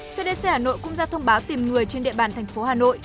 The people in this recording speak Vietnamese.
cdc hà nội cũng ra thông báo tìm người trên địa bàn thành phố hà nội